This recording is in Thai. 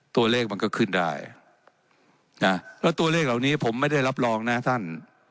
ตัวเลขมันก็ขึ้นได้นะแล้วตัวเลขเหล่านี้ผมไม่ได้รับรองนะท่าน